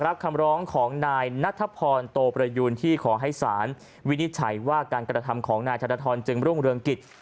รับคำร้องของนายนัทพรโตประยูนที่ขอให้สารวินิจฉัยว่าการกระทำของนายธนทรจึงรุ่งเรืองกิจ